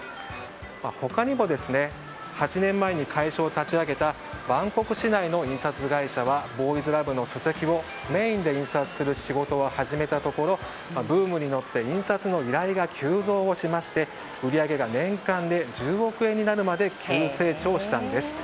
他にも８年前に会社を立ち上げたバンコク市内の印刷会社はボーイズラブの書籍をメインで印刷する仕事を始めたところブームに乗って印刷の依頼が急増しまして売り上げが年間で１０億円になるまで急成長したんです。